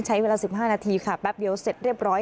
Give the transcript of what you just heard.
ใช้เวลา๑๕นาทีค่ะแป๊บเดียวเสร็จเรียบร้อย